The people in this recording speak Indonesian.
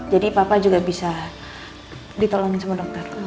jadi papa juga bisa ditolongin sama dokter